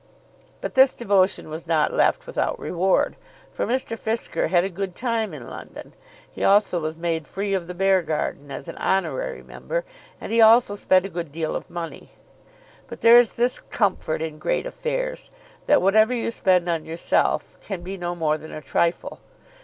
But this devotion was not left without reward, for Mr. Fisker had "a good time" in London. He also was made free of the Beargarden, as an honorary member, and he also spent a good deal of money. But there is this comfort in great affairs, that whatever you spend on yourself can be no more than a trifle.